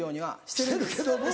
してるけども。